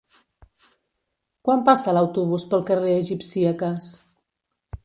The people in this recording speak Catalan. Quan passa l'autobús pel carrer Egipcíaques?